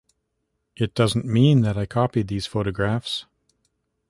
It doesn't mean that I copied these photographs.